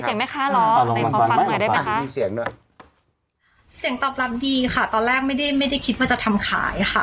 เสียงตอบรับดีค่ะตอนแรกไม่ได้คิดว่าจะทำขายค่ะ